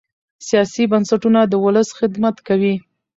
سیاسي بنسټونه د ولس خدمت کوي